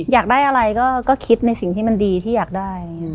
อยากได้อะไรก็คิดในสิ่งที่มันดีที่อยากได้